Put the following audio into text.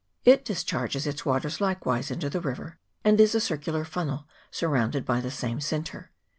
It discharges its waters likewise into the river, and is a circular funnel, surrounded by the same sinter.